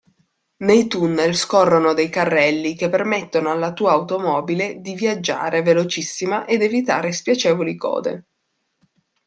Nei tunnel scorrono dei carrelli che permettono alla tua automobile di viaggiare velocissima ed evitare spiacevoli code.